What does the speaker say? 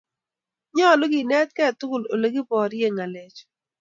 Nyalu kenetkei tugul olekiboryen ng'alechum